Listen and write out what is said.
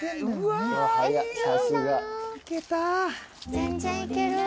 全然行ける。